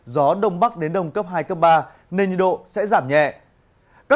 gió đông bắc đến đông cấp hai cấp ba nên nhiệt độ sẽ giảm nhẹ